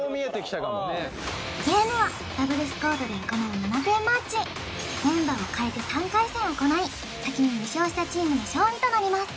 ゲームはダブルスコートで行う７点マッチメンバーを替えて３回戦行い先に２勝したチームの勝利となります・